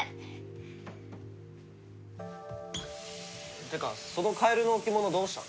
ってかそのカエルの置物どうしたの？